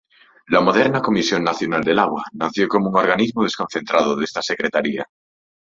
La moderna Comisión Nacional del Agua, nació como un organismo desconcentrado de esta secretaría.